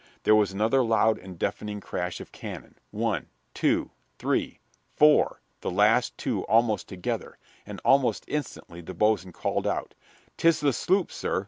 There was another loud and deafening crash of cannon, one, two, three four the last two almost together and almost instantly the boatswain called out, "'Tis the sloop, sir!